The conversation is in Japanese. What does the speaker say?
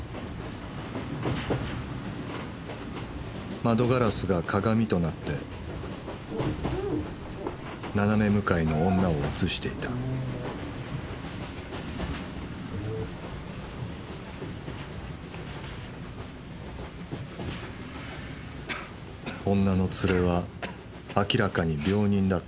窓ガラスが鏡となって斜め向かいの女を写していた女の連れは明らかに病人だった。